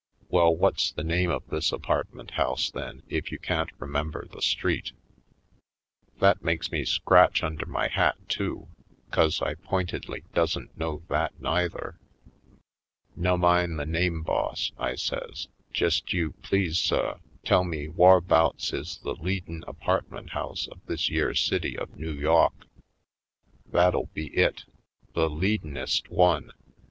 Well, what's the name of this apartment house, then, if you can't remember the street?" That makes me scratch under my hat, too. 'Cause I pointedly doesn't know that neither. "Nummine the name, boss," I says, "jest you, please suh, tell me whar'bouts is the leadin' apartment house of this yere city of Noo Yawk; that'll be it — the lead in'est one.